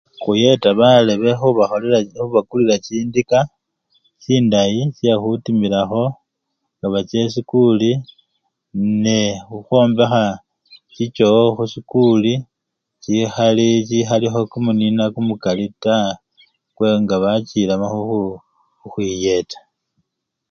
Khuyeta baleme khubakholela, khubakulila chindika chindayi chekhutimilakho nga bacha esikuli nekhukhwombekha chichowo khusikuli chikhali! chikhalikho kumunina kumukali taa kwe nga bachilemo khukhu! khukhwiyeta.